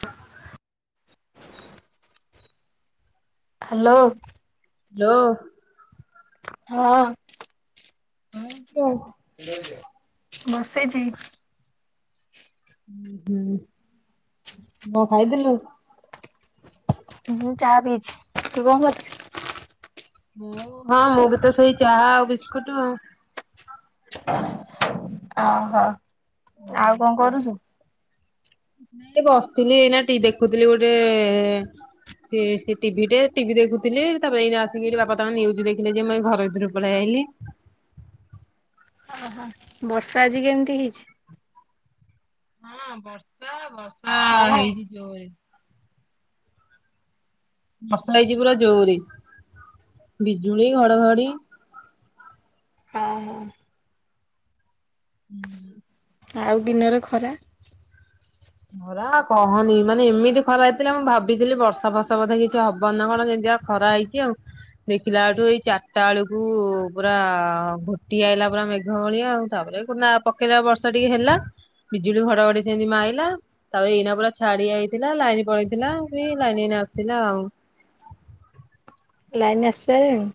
ତ। [inaudible] ହ୍ୟାଲୋ। ଲୋ। ହଁ। କୁହନ୍ତୁ। ବସିଛି। ଉଁ ହୁଁ ବ ଖାଇଥିଲୁ? ମୁଁ ଚାହା ପିଇଛି ତୁ କଣ କରୁଛୁ? ମୁଁ ହଁ ମୁଁ ବି ତ ସେଇ ଚାହା ଆଉ ବିସ୍କୁଟ ଆଉ। ଓହୋ ଆଉ କଣ କରୁଛୁ? ନାଇଁ ଏଇ ବସିଥିଲି ଏଇନା ଟି ଦେଖୁଥିଲି ଗୋଟେ ସେ ସେ ଟିଭିଟେ ଟିଭି ଦେଖୁଥିଲି ତାପରେ ଏଇନା ଆସିକି ଏଇଟି ବାପା ତାଙ୍କ ନ୍ୟୁଜ ଦେଖିଲେ ଯେ ମୁଁ ଏଇ ଘର ଭିତରକୁ ପଳେଇଆଇଲି। ଓହୋ ବର୍ଷା ଆଜି କେମିତି ହେଇଛି? ହଁ ବର୍ଷା ବର୍ଷା ହଁ ହେଇଛି ଜୋରେ। ବର୍ଷା ହେଇଛି ପୁରା ଜୋରେ ବିଜୁଳି ଘଡ଼ଘଡ଼ି। ହଁ ହଁ। [inaudible] ଆଉ ଦିନରେ ଖରା। ଖରା କହନି ମାନେ ଏମିତି ଖରା ହେଇଥିଲା ମୁଁ ଭାବିଥିଲି ବର୍ଷା ଫର୍ଷା ବୋଧେ କିଛି ହବ ନା କଣ ଯେମତିଆ। ଖରା ହେଇଛି ଆଉ। ଦେଖିଲା ଆଠୁ ଏଇ ଚାରିଟା ବେଳୁକୁ ପୁରା ଘୋଟି ଆଇଲା ପୁରା ମେଘ ଭଳିଆ ଆଉ। ତାପରେ କୁ ନା ପକେଇଲା ବର୍ଷା ଟିକେ ହେଲା ବିଜୁଳି ଘଡଘଡି ସେମିତି ମାଇଲା। ତାପରେ ଏଇନା ପୁରା ଛାଡି ଯାଇଥିଲା ଲାଇନ ପଳେଇଥିଲା ଲାଇନ ଏଇନା ଆସିଲା ଆଉ। ଲାଇନ ଆସି ସାଇଲାଣୀ।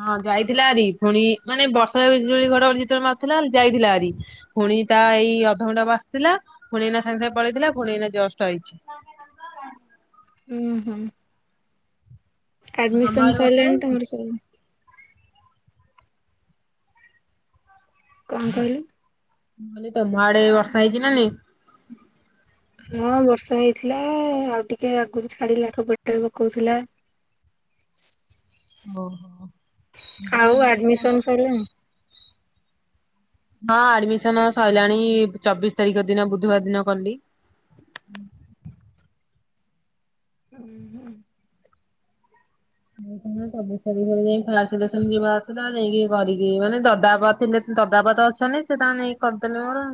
ହଁ ଯାଇଥିଲା ଆରି ପୁଣି ମାନେ ବର୍ଷା ବିଜୁଳି ଘଡଘଡି ଯେତେବେଳେ ମାରୁଥିଲା ଯାଇଥିଲା ହାରି। ପୁଣି ତା ଏଇ ଅଧଘଣ୍ଟା ହବ ଆସି ଥିଲା ପୁଣି ଏଇନା ସାଙ୍ଗେ ସାଙ୍ଗେ ପଳେଇଥିଲା ପୁଣି ଏଇନା ଜଷ୍ଟ ଆଇଛି। ଉଁ ହୁଁ। ତମ ଆଡିମିସନ ଆଡେ ବର୍ଷା ସରିଲାଣି ହେଇନି? ତମର ସବୁ। କଁ କହିଲୁ? ମୁଁ କହିଲି ତମ ଆଡେ ବର୍ଷା ହେଇଛି ନା ନାଇଁ। ହଁ ବର୍ଷା ହେଇଥିଲା ଆଉ ଟିକେ ଆଗରୁ ଛାଡିଲା ଠୋପେ ଠୋପେ ପକଉଥିଲା। ଓ ହୋ। ଆଉ ଆଡମିସନ ସରିଲାଣି। ହଁ ଆଡମିସନ ସଇଲାଣି ଚବିଶ ତାରିଖ ଦିନ ବୁଧବାର ଦିନ କଲି। ଉୁଁ ହୁଁ। ମୋର ତ ଚବିଶ ତାରିଖ ଦିନ ଯାଇ ଫାଷ୍ଟ ସିଲେକସନ ବାହାରି ଥିଲା ଯାଇଁ କି ମାନେ ଦଦା ବାପା ଥିଲେ ଦଦା ବାପା ତ ଅଛନ୍ତି ସେ ତାଙ୍କର ନେଇକି କରିଦେଲେ ମୋର।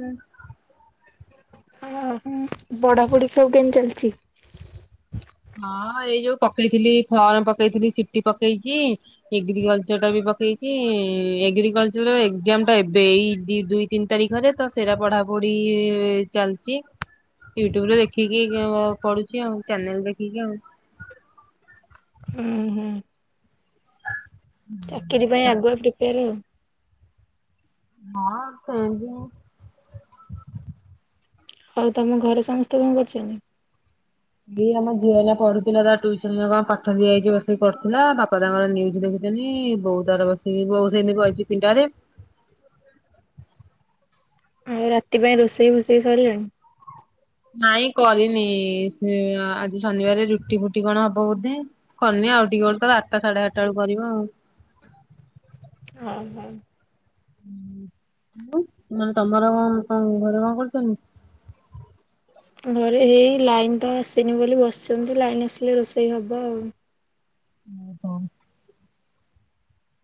ଉଁ ହିଁ ବଢାପଢି ସବୁ କେମତି ଚାଲିଛି? ହଁ ଏଇ ଯୋଉ ପକେଇଥିଲି ଫର୍ମ ପକେଇଥିଲି ସିଟି ପକେଇକି। ଏଗ୍ରିକଲଚର ଟା ବି ପକେଇଛି ଏଗ୍ରିକଲଚର ଏକ୍ଜାମ ଟା ଏବେ ଏଇ ଦି ଦୁଇ ତିନି ତାରିଖରେ ତ ସେଇରା ପଢା ପଢି ଚାଲିଛି। ୟୁଟ୍ୟୁବ ରେ ଦେଖିକି ପଢୁଛି ଆଉ ଚ୍ୟାନେଲ ଦେଖିକି ଆଉ। ହୁଁ ହୁଁ। ଚାକିରି ପାଇଁ ଆଗୁଆ ପ୍ରିପେୟାର ଆଉ। ହଁ ସେମତି ଆଉ। ଆଉ ତମ ଘରେ ସମସ୍ତେ କଣ କରଛନ୍ତି? ଏଇ ଆମ ଝିଅ ଏଇନା ପଢୁଥିଲା ତା ଟ୍ୟୁସନ ରେ କଁ ପାଠ ଦିଆ ହେଇଛି ବସିକି ପଢୁଥିଲା ବାପା ତାଙ୍କର ନିଜ୍ ଦେଖୁ ଛନି ବୋଉ ତାର ବସିକି ବୋଉ ସେମତି ବଇଛି ପିଣ୍ଡାରେ। ଆଉ ରାତି ପାଇଁ ରୋଷେଇ ଫୋଷେଇ ସରିଲାଣି? ନାଇଁ କରିନି ସେ ଆଜି ଶନିବାର ରୁଟି ଫୁଟି କଣ ହବ ବୋଧେ। କନି ଆଉ ଟିକେ ବେଳୁ ତାର ଆଠଟା ସାଢେ ଆଠଟା ବେଳୁ କରିବ ଆଉ। ଅ ହୋ। ଉଁ ଆଉ ମାନେ ତମର ଉଁ ଘରେ କଣ କରୁଛନ୍ତି? ଘରେ ହେଇ ଲାଇନ ତ ଆସିନି ବୋଲି ବସିଛନ୍ତି ଲାଇନ ଆସିଲେ ରୋଷେଇ ହବ ଆଉ। ଉଁ ହ।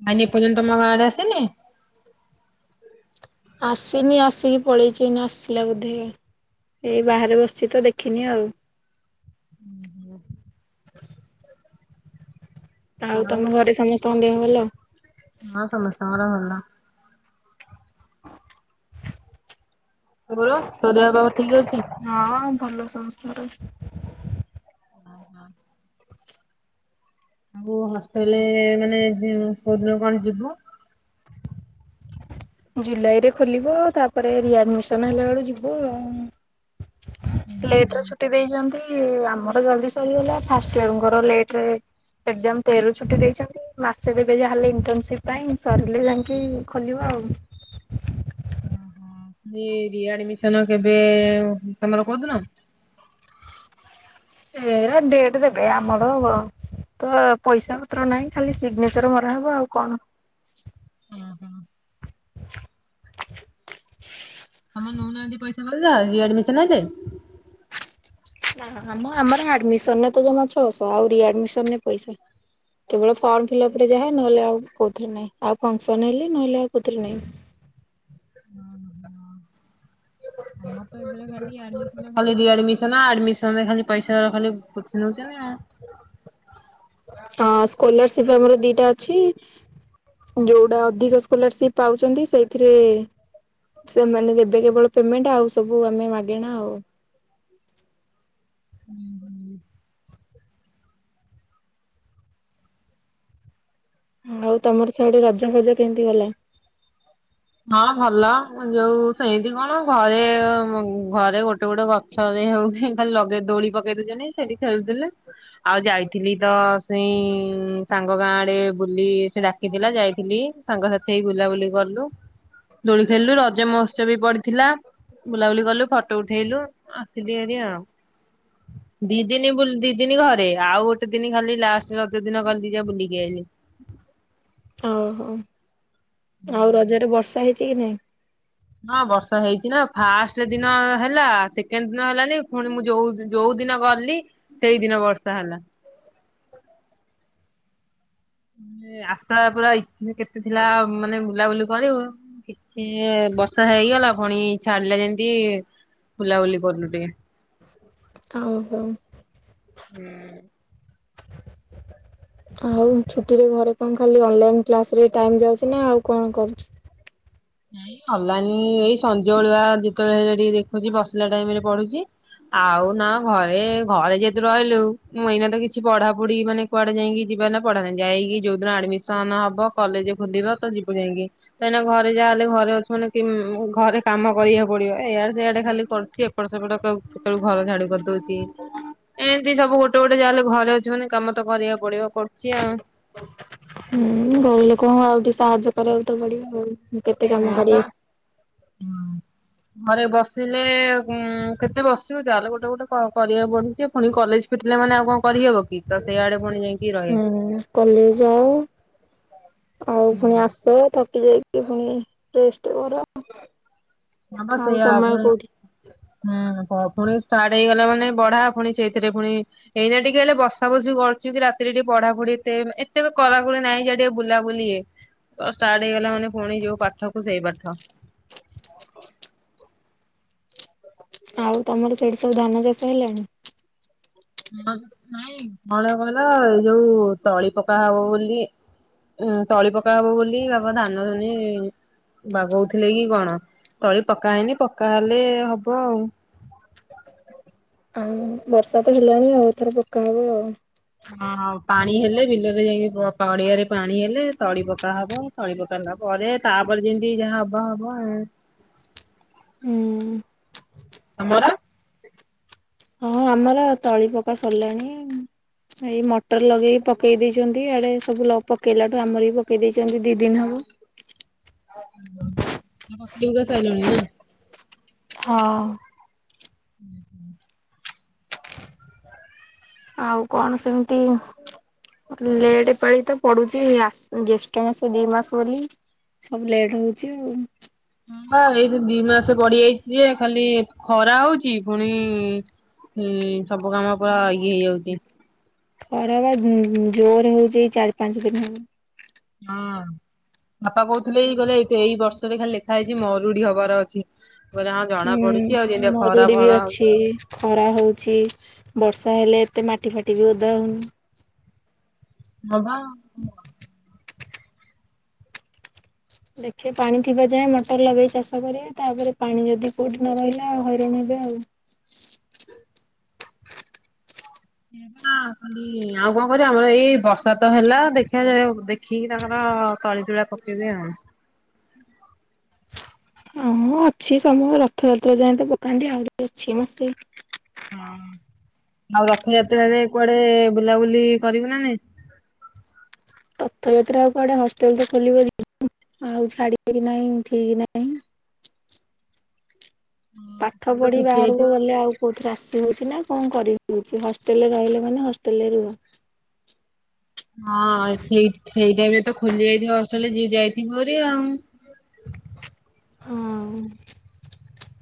ଲାଇନି ଏପର୍ଯ୍ୟନ୍ତ ତମ ଗାଁ ଆଡ଼େ ଆସିନି? ଆସିନି ଆସିକି ପଳେଇଛି ଏଇନା ଆସିଲା ବୋଧେ? ଏଇ ବାହାରେ ବସିଛି ତ ଦେଖିନି ଆଉ। ଆଉ ତମ ଘରେ ସମସ୍ତଙ୍କ ଦେହ ଭଲ? ହଁ ସମସ୍ତଙ୍କର ଭଲ। ତୋର ତୋ ଦେହ ପା ଠିକ୍ ଅଛି? ହଁ ଭଲ ସମସ୍ତଙ୍କର ଅଛି। ଆ ହ। ଆଉ ହଷ୍ଟେଲେ ମାନେ ତୁ କୋଉଦିନ କଣ ଯିବୁ? ଜୁଲାଇ ରେ ଖୋଲିବ ତାପରେ ରିଆଡମିସନ ହେଲା ବେଳୁ ଯିବ ଆଉ। ଲେଟରେ ଛୁଟି ଦେଇଛନ୍ତି। ଆମର ଜଲ୍ଦୀ ସରିଗଲା ଫାଷ୍ଟ ଇୟରଙ୍କର ଲେଟରେ। ଏକ୍ଜାମ ତେର ରୁ ଛୁଟି ଦେଇଛନ୍ତି ମାସେ ଦେବେ ଯାହାହେଲେ ଇଣ୍ଟର୍ନସିପ ପାଇଁ ସରିଲେ ଯାଇଁକି। ଖୋଲିବ ଆଉ ଏ ରିଆଡମିଶନ୍ କେବେ ତମର କୋଉଦିନ? ଏରା ଡେଟ ଦେବେ ଆମର ତ ପଇସା ପତ୍ର ନାହିଁ ଖାଲି ସିଗ୍ନେଚର ମରାହବ ଆଉ କଣ। ହୁଁ ହୁଁ। ତମର ନଉନାହାନ୍ତି ପଇସା ଫଇସା ରିଆଡମିଶନ୍ ହେଲେ? ନା ମ ଆମର ଆଡମିସନରେ ତ ଜମା ଛଅଶହ ଆଉ ରିଆଡମିଶନ ରେ ପଇସା କେବଳ ଫର୍ମ ଫିଲପ ରେ ଯାହା ନହେଲେ ଆଉ କଉଥିରେ ନାଇଁ ଆଉ ଫଙ୍କସନ ହେଲେ ନହେଲେ ଆଉ କଉଥିରେ ନାଇଁ। ଓ ହୋ ଆମର ତ ଏଥିରେ ଖାଲି ଆଡମିଶନ ଖାଲି ରିଆଡ଼ମିଶନ ଆଡ଼ମିଶନ ରେ ଖାଲି ପାଇସା ପୋଛିନଉତନ୍ତି ଆଉ। ହଁ ସ୍କଲାରସିପ ଆମର ଦିଟା ଅଛି। ଯୋଉଟା ଅଧିକ ସ୍କଲାରସିପ୍ ପାଉଛନ୍ତି ସେଇଥିରେ ସେମାନେ ଦେବେ କେବଳ ପେମେଣ୍ଟ ଆଉ ସବୁ ଆମେ ମାଗେଣା ଆଉ ଆଉ ତମର ସେଆଡେ ରଜ ଫଜ କେମିତି ଗଲା? ହଁ ଭଲ ଯୋଉ ସେନ୍ତି କଣ ଘରେ-ଘରେ ଗୋଟେ-ଗୋଟେ ଥରେ ହଉଚି ଖାଲି ଲଗେଇ ଦୋଳି ପକେଇ ଦଉଚ଼ନ୍ତି ସେଠି ଖେଳୁଥିଲେ। ଆଉ ଯାଇଥିଲି ତ ସେଇ ସାଙ୍ଗ ଗାଁ ଆଡେ ବୁଲି ସେ ଡାକିଥିଲା ଯାଇଥିଲି। ସାଙ୍ଗ ସାଥି ହେଇ ବୁଲାବୁଲି କଲୁ। ଦୋଳି ଖେଲିଲୁ ରଜ ମହୋତ୍ସବ ବି ପଡିଥିଲା। ବୁଲାବୁଲି କଲୁ ଫଟୋ ଉଠେଇଲୁ ଆସିଲି ହାରି ଆଉ ଦି ଦିନ ବୁଲ ଦି ଦିନ ଘରେ ଆଉ ଗୋଟେ ଦିନ ଖାଲି ଲାଷ୍ଟ ରଜ ଦିନ ଗଲି ଯା ବୁଲିକି ଆଇଲି। ହଉ-ହଉ। ଆଉ ରଜରେ ବର୍ଷା ହେଇଚି କି ନାଇଁ? ହଁ ବର୍ଷା ହେଇଚି ନା ଫାଷ୍ଟ ଦିନ ହେଲା ସେକେଣ୍ଡ ଦିନ ହେଲାନି। ପୁଣି ମୁଁ ଯୋଉ ଯୋଉଦିନ ଗଲି ସେଇଦିନ ବର୍ଷା ହେଲା। ଏ ଆଶା ପୁରା ଇ କେତେ ଥିଲା ମାନେ ବୁଲାବୁଲି କରିବୁ। ଇଏ ବର୍ଷା ହେଇଗଲା ପୁଣି ଛାଡିଲେ ଯେମିତି ବୁଲାବୁଲି କରୁଲୁ ଟିକେ। ଓହୋ। ଟିକେ। ସ୍କୁଲ ଛୁଟିରେ ଘରେ କଣ ଖାଲି ଅନଲାଇନ କ୍ଲାସ ରେ ଟାଇମ ଯାଉଚି ନା ଆଉ କଣ କରୁଚ? ଅନଲାଇନ ଏଇ ସଞଳୁଆ ଯେତେବେଳେ ହେଲେ ଟିକେ ଦେଖୁଛି ବସିଲା ଟାଇମରେ ପଢୁଚି। ଆଉ ନା ଘରେଘରେ ଯେହେତୁ ରହିଲୁ ମୁଁ ଏଇନା ତ କିଛି ପଢା ପଢି ମାନେ କୁଆଡେ ଯାଇକି ଯିବା ଏଇନା ପଢ଼ା ନାଇଁ ଯାଇକି ଯୋଉଦିନ ଆଡମିସନ ହବ କଲେଜ ଖୋଲିବ ତ ଯିବୁ ଯାଇଁକି। ତୁ ଏଇନା ଘର୍ ଯାହାହଲେ ଘରେ ଅଛି ମାନେ କି ଘରେ କାମ କରିବାକୁ ପଡିବ। ଏଇଆଡେ ସେଆଡେ ଖାଲି କରିଚିଏପଟସେପଟ କେତେବେଳୁ ଘର ଝାଡୁ କରିଦଉଚି ଏମିତି ସବୁ ଗୋଟେ ଗୋଟେ ଯାହା ହେେଲେ ଘରେ ଅଛି। ମାନେ କାମ ତ କରିବାକୁ ପଡିବ। ପଡ଼ୁଛି ଆଉ ବୋଇଲେ କଣ ଆଉ ଟିକେ ସାହାଯ୍ୟ କରିବାକୁ ତୋ ପଡିବ। ହୁଁ ଏ ନା ପା ହଁ ଘରେ ବସିଲେ ଉଁ କେତେ ବସିବ। ଯାହେଲେ ଗୋଟେ ଗୋଟେ କରିବାକୁ ପଢୁଚି। ପୁଣି କଲେଜ ଉଠିଲା ମାନେ ଆଉ କଣ କରିହେବ କି? ତୋ ସେଇଆଡେ ପୁଣି ଯାଇକି ରହିବୁ ହିଁ କଲେଜ ଯାଉ ଆଉ ପୁଣି ଆସ ଥକି ଯାଇକି ପୁଣି ଟେଷ୍ଟ କର। ହଁ ପା ଆଉ ସେୟା ସମୟ ପୁଣି। କୋଉଠି ହୁଁ ପୁଣି ଷ୍ଟାର୍ଟ ହେଇଗଲା ମାନେ ବଢା ପୁଣି ସେଇଥିରେ ପୁଣି ଏଇନା ଟିକେ ହେଲେ ବସା ବୁସି କରୁଚି କି? ରାତିରେ ଟିକେ ପଢାପୁଢ଼ି ସେମ୍। ଏତେ କଡାକୁଡ଼ି ନାଇଁ ଯେ କେତେ ବୁଲାବୁଲି ଇଏ ଷ୍ଟାର୍ଟ ହେଇଗଲା ମାନେ ପୁଣି ଯୋଉ ପାଠକୁ ସେଇ ପାଠ। [unintelligible] ଆଉ ତମର ସେଇଠି ସବୁ ଧାନ ଚାଷ ହେଲାଣି। ହଁ ନାଇଁ ଭଲ ଭଲ ଏ ଯୋଉ ତଳିପକା ହେବ ବୋଲି ଉଁ ତଳି ପକା ହବ ବୋଲି ବାପା ଧାନ ଧୁନି ବାଗୋଉଥିଲେ କି କଣ, ତଳି ପକା ହେଇନି ପକା ହେଲେ ହବ ଆଉ ଆଉ ବର୍ଷା ତ ହେଲାଣି ଆଉ ଏଥର ପକା ହବ ଆଉ। ହଁ ଆଉ ପାଣି ହେଲେ ବିଲରେ ଯାଇକି ପ ପଡିଆରେ ପାଣି ହେଲେ ତଳିପକା ହବ ତଳି ପକା ହେଲା ପରେ, ତାପରେ ଯେମିତି ଯାହା ହବ ହବ [unintelligible] ହୁଁ ତମର? ହଁ ଆମର ତଳି ପକା ସରିଲାଣି ଏଇ ମଟର ଲଗେଇ ପକେଇ ଦେଇଛନ୍ତି, ଇଆଡେ ସବୁ ଲକ୍ ପକେଇଲାଠୁ ଆମର ବି ପକେଇ ଦେଇଛନ୍ତି ଦି ଦିନ ହବ। ହୁଁ ତ ପକାଇବା ସଇଲଣି ନା? ହଁ ହୁଁ ହୁଁ। [inaudible] ଆଉ କଣ ସେମିତି ଲେଟ୍ ଏ ପାଳି ତ ପଡୁଛି ଏ ଆସ୍ ଜ୍ୟୋଷ୍ଠ ମାସ ଦି ମାସ ବୋଲି। ସବୁ ଲେଟ୍ ହଉଛି ଆଉ ହୁଁ ବା ଏଇ ଯୋଉ ଦି ମାସ ବଢ଼ିଯାଇଛି ଯେ ଖାଲି ଖରା ହଉଛି ଫୁଣି ହୁଁ ସବୁ କାମ ପୁରା ଇଏ ହେଇଯାଉଛି ଖରା ବା ଉଁ ଉଁ ଜୋରରେ ହଉଛି ଏଇ ଚାରି ପାଞ୍ଚ ଦିନ ହେବ। ହଁ, ବାପା କହୁଥିଲେ, ଏଇ ଗଲେ ଏଇ ଏପ ବର୍ଷରେ ଖାଲି ଲେଖା ହେଇଛି ମରୁଡି ହବାର ଅଛି। କଇଲେ ହଁ ଯା ହୁଁ ମରୁଡ଼ି ବି ଅଛି ଖରା ହେଉଛି, ବର୍ଷା ହେଲେ ଏତେ ମାଟି ଫାଟି ବି ଓଦା ହେଉନି। [unintelligible] ଦେଖେ ପାଣି ଥିବା ଯାଏଁ ମଟର ଲଗେଇ ଚାଷ କରିବା ତାପରେ ପାଣି ଯଦି କୋଉଠି ନ ରହିଲା ଆଉ ହଇରାଣ ହେବେ ଆଉ ହେବା ଆଉ ଖାଲି ଆଉ କଣ କରିବା, ଆମର ଏଇ ବର୍ଷା ତ ହେଲା, ଦେଖିବା [unintelligible] ଦେଖିକି ତାଙ୍କର ତଳି ତୁଳା ପ କେଇବେ ଆଉ ହଁ ମୁଁ ଅଛି ସମୟ ରଥଯାତ୍ରା ଯାଏଁ ତ ପକାନ୍ତି ଆହୁରି ଅଛି ମାସେ। ହଁ, ଆଉ ରଥଯାତ୍ରାରେ କୁଆଡେ ବୁଲାବୁଲି କରିବୁ ନା ନାଇଁ? ରଥଯାତ୍ରା ଆଉ କୁଆଡେ? ହଷ୍ଟେଲ ତ ଖୋଲିବ [unintelligible] ଆଉ ଛାଡିବେ କି ନାହିଁ ଠିକ ନାହିଁ। ପାଠ ତୁ ତ ପଢ଼ି ଫିଟି ବାହାରକୁ ଯାଇଥିବୁ। ଗଲେ ଆଉ କୋଉଠି ଆସି ହଉଛି ନା କଣ କରିହଉଛି, ହଷ୍ଟେଲରେ ରହିଲେ ଭଲ ହଷ୍ଟେଲରେ ରୁହ। ହଁ ସେଇ ସେଇ ଟାଇମରେ ତ ଖୋଲି ଯାଇଥିବ ହଷ୍ଟେଲ, ଯିଏ ଯାଇଥିବ ହେରି ଆଉ ହଁ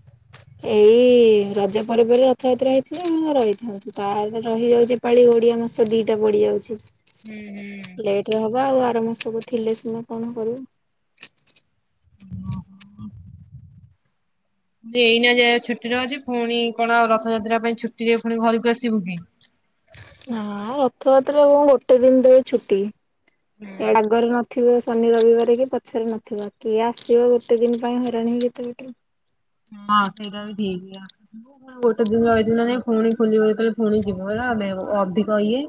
ଏଇ ରଜ ପରେ ପରେ ରଥଯାତ୍ରା ହେଇଥିଲେ ହଁ ରହିଥାନ୍ତୁ। ତାହେଲେ ରହିଯାଉଛି ଏପାଳି ଓଡିଆ ମାସ ଦିଟା ପଡିଯାଉଛି। ହୁଁ ହୁଁ। ଲେଟରେ ହବା ଆଉ ଆର ମାସକୁ ଥିଲେ ସିନା କଣ କରିବ? ନ କିନ୍ତୁ ଏଇନା ଯାଏ ଛୁଟିରେ ଅଛି ପୁଣି କଣ ଆଉ ରଥଯାତ୍ରା ପାଇଁ ଛୁଟିରେ ପୁଣି ଘରକୁ ଆସିବୁ କି? ହଁ ରଥଯାତ୍ରା କଣ ଗୋଟେ ଦିନ ଦେବେ ଛୁଟି ଏଡାଗରେ ନଥିବେ ଶ୍ ଶନି ରବିବାର କି ପଛରେ ନଥିବା, କିଏ ଆସିବ ଗୋଟେ ଦିନ ପାଇଁ ହଇରାଣ ହେଇକି ଏତେ ବାଟରୁ? ହଁ ସେଇଟା ବି ଠିକି କଥା। ମୁଁ ଫୁଣି ଗୋଟେ ଦିନ ରହିଥିବି ନା ନାଇଁ ପୁଣି ଖୋଲିବ ଯେତେବେଳେ ଫୁଣି ଯିବ [unintelligible] ଅଧିକ ଇଏ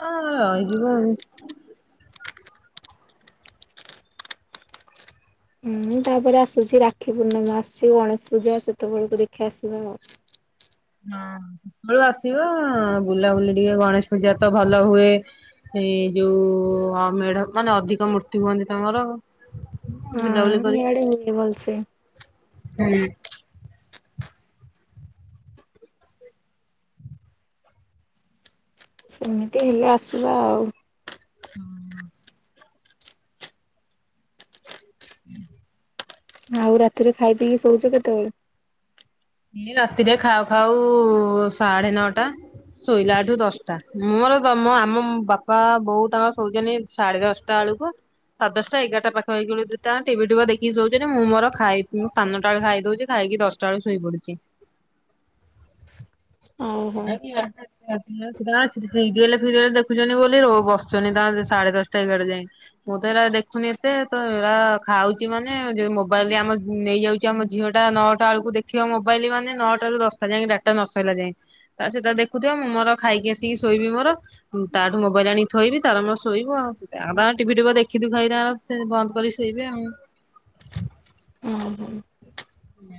ହଁ ରହିଯିବ ଆଉ। ହୁଁ ତାପରେ ଆସୁଛି ରାକ୍ଷୀ ପୂର୍ଣ୍ଣିମା ଆସୁଛି ଗଣେଶ ପୂଜା ସେତେବେଳକୁ ଦେଖିଆ ଆସିବା ଆଉ ହଁ ସେତେବେଳେ ଆସିବ ବୁଲାବୁଲି ଟିକେ ଗଣେଶ ପୂଜା ତ ଭଲ ହୁଏ ଏଇ ଯୋଉ ଅ ମେଢ ମାନେ ଅଧିକ ମୂର୍ତ୍ତି ହୁଅନ୍ତି ତାଙ୍କର ହଁ ବୁଲାବୁଲି କରିବି ଇଆଡେ ହୁଏ ଭଲସେ। ହୁଁ। ସେମିତି ହେଲେ ଆସିବା ଆଉ। ହଁଁ ହୁଁ ଆଉ ରାତିରେ ଖାଇ ପିଇକି ଶୋଉଚ କେତେବେଳେ? ଇଏ ରାତିରେ ଖାଉ ଖାଉ ସାଢେ ନଅଟା। ଶୋଇଲାଠୁ ଦଶଟା ମୋର ତ ଆମ ବାପା ବୋଉ ତାଙ୍କର ଶୋଇଚନ୍ତି ସାଢେ ଦଶଟା ବେଳକୁ। ସାଢ଼େ ଦଶ ଟା ଏଗାରଟା ପାଖା ପାଖି ଦୁଇଟା ଟିଭି ତୁଭା ଦେଖି ଦେଖିଉୁ କି ସୋଉଚନ୍ତି ମୁଁ ମୋର ଖାଇ ଟାଳେ ଖାଇ ଦଉଛି ଖାଇକି ଦୋଉଚି ଦଶ୍ ଟା ବେଳେ ଶୋଇ ପଡୁଚି। ଓହୋ [unintelligible] ଦେଖୁଛନ୍ତି ବୋଲି ର ବସୁଛନ୍ତି ତା ସେ ସାଢେ ଦଶଟା ଏଗଡେ ଯାଇ। ମୁଁ ତ ଏରା ଦେଖୁନି ଏତେ ତ ଏରା ଖାଉଚି ମାନେ ଯି ମୋବାଇଲରେ ଆମ ନେଇଯାଉଚି। ଆମ ଝିଅ ଟା ନଅଟାଳକୁ ଦେଖିବ ମୋବାଇଲ ମାନେ ନଅଟା ରୁ ର ଦଶଟା ଯାକେ ଡାଟା ନ ସଇଲା ଯାଏଁ। ତା ସେ ତାର ଦେଖୁଥିବ ମୁଁ ମୋର ଖାଇକି ଆସିକି ଶୋଇବି ମୋର। ତାଠୁ ମୋବାଇଲି ଆଣି ଥୋଇବି ତାର ମର ଶୋଇବୁ ଆଉ ତା ବା-ଟିଭି ଟୁଭା ଦେଖିଦୁଖା କି ସେ ବନ୍ଦ୍ କରି ଶୋଇବେ ଆଉ। ଉଁ -ହୁଁ। ହୁଁ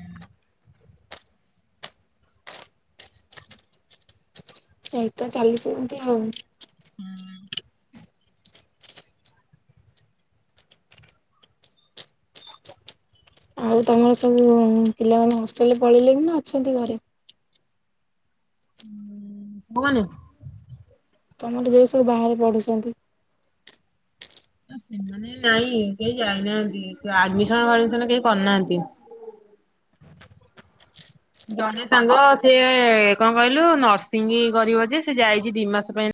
ଏଇତ ଚାଲିଚି ସେମତି ଆଉ। ଆଉ ତମର ସବୁ ପିଲାମାନେ ହଷ୍ଟେଲେ ପଳେଇଲେନି ନା ଅଛନ୍ତି ଘରେ? କଉମାନେ? ତମର ଯଉ ସବୁ ବାହାରେ ପଢୁଚନ୍ତି। ସେମାନେ ନାଇଁ କେହି ଯାଇନାହାନ୍ତି ଆଡମିସନ ଫାଡମିସନ୍ କେହି କରିନାହାନ୍ତି। ଜଣେ ସାଙ୍ଗ ସିଏ କଣ କହିଲୁ ନର୍ସିଂ କରିବ ଯେ ସେ ଯାଇଚି ଦି ମାସ ପାଇଁ